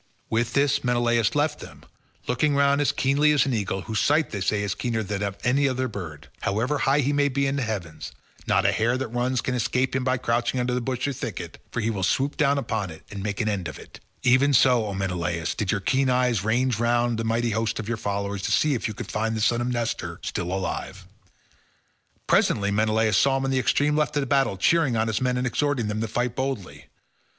With this Menelaus left them, looking round him as keenly as an eagle, whose sight they say is keener than that of any other bird—however high he may be in the heavens, not a hare that runs can escape him by crouching under bush or thicket, for he will swoop down upon it and make an end of it—even so, O Menelaus, did your keen eyes range round the mighty host of your followers to see if you could find the son of Nestor still alive. Presently Menelaus saw him on the extreme left of the battle cheering on his men and exhorting them to fight boldly.